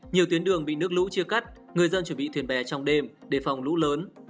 nhiều tuyến đường bị nước lũ chia cắt người dân chuẩn bị thuyền bè trong đêm để phòng lũ lớn